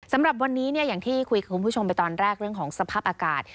สำหรับวันนี้อย่างที่คุยกับคุณผู้ชมไปตอนแรกเรื่องของสภาพอากาศ